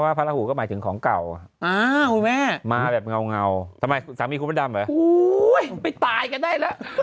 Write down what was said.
การงานของเขาการงานอยู่ดี